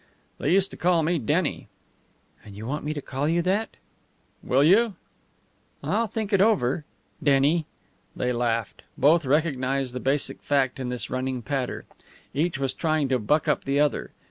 "They used to call me Denny." "And you want me to call you that?" "Will you?" "I'll think it over Denny!" They laughed. Both recognized the basic fact in this running patter. Each was trying to buck up the other.